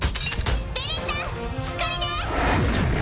ベレッタしっかりね！